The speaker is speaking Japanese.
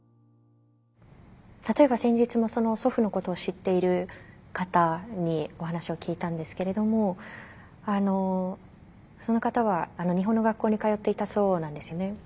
例えば先日も祖父のことを知っている方にお話を聞いたんですけれどもその方は日本の学校に通っていたそうなんですよね。